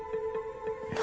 何？